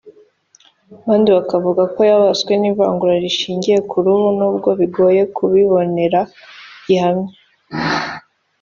abandi bakavuga ko yabaswe n’ivangura rishingiye ku ruhu n’ubwo bigoye kubibonera gihamya